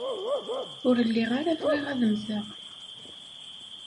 Ur lliɣ ara bɣiɣ ad mmteɣ.